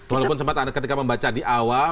walaupun sempat anda ketika membaca di awal